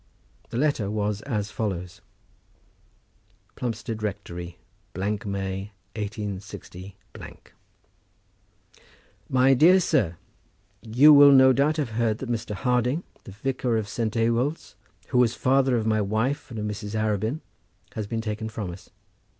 The letter was as follows: Plumstead Rectory, May, 186 . MY DEAR SIR, You will no doubt have heard that Mr. Harding, the vicar of St. Ewolds, who was the father of my wife and of Mrs. Arabin, has been taken from us.